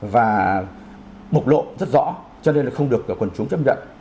và mục lộ rất rõ cho nên là không được cả quần chúng chấp nhận